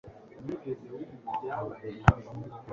Abafatanyabikorwa muri telefoni itishyurwa ya Wellbeing